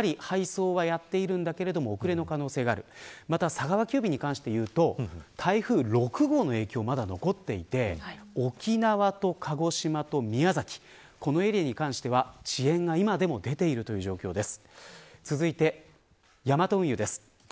佐川急便でいうと台風６号の影響まだ残っていて沖縄と鹿児島と宮崎に関しては遅延が今でも出ているという状況です。